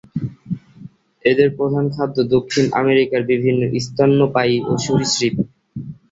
এদের প্রধাণ খাদ্য দক্ষিণ আমেরিকার বিভিন্ন স্তন্যপায়ী ও সরীসৃপ।